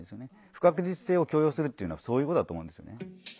不確実性。というのはそういうことだと思うんですよね。